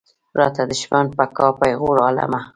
راته دښمن به کا پېغور عالمه.